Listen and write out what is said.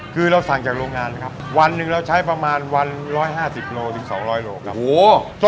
คือเราสั่งจากโรงงานครับวันหนึ่งเราใช้ประมาณวันร้อยห้าสิบโลสิบสองร้อยโลครับโอ้โห